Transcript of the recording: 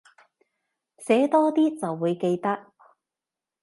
寫多啲就會記得